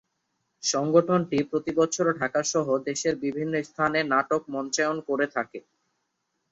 সংগঠনটি প্রতিবছর ঢাকা সহ দেশের বিভিন্ন স্থানে নাটক মঞ্চায়ন করে থাকে।